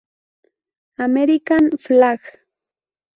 American Flagg!